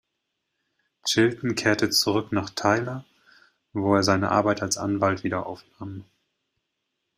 Chilton kehrte zurück nach Tyler, wo er seine Arbeit als Anwalt wieder aufnahm.